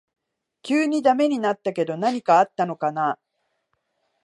急にダメになったけど何かあったのかな